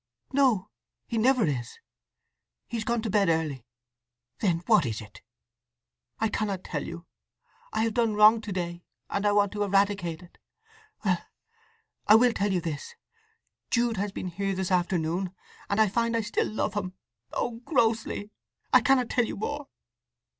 "No. He never is. He's gone to bed early." "Then what is it?" "I cannot tell you. I have done wrong to day. And I want to eradicate it… Well—I will tell you this—Jude has been here this afternoon, and I find I still love him—oh, grossly! I cannot tell you more."